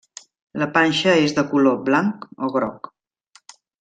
La panxa és de color blanc o groc.